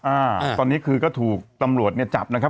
อ่าตอนนี้คือก็ถูกตำรวจเนี่ยจับนะครับ